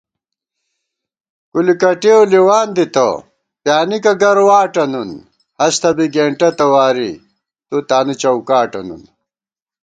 کُلی کٹېؤ لېوان دِتہ ، پِیانِکہ گرواٹہ نُن * ہستہ بی گېنٹہ تواری تُو تانُو چوکاٹہ نُن